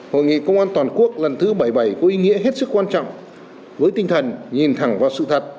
hội nghị công an toàn quốc lần thứ bảy mươi bảy có ý nghĩa hết sức quan trọng với tinh thần nhìn thẳng vào sự thật